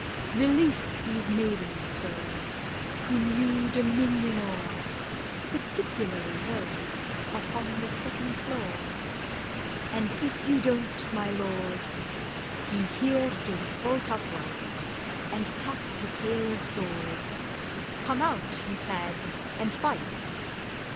"Release these maidens, sir, Whom you dominion o'er— Particularly her Upon the second floor. "And if you don't, my lord"— He here stood bolt upright, And tapped a tailor's sword— "Come out, you cad, and fight!"